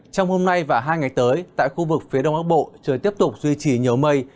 trong hôm nay và hai ngày tới tại khu vực phía đông bắc bộ trời tiếp tục duy trì nhiều mây